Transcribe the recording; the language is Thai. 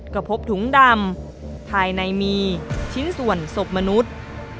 ก็พบถุงดำภายในมีชิ้นส่วนศพมนุษย์